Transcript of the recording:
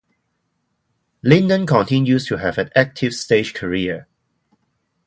Linden continues to have an active stage career.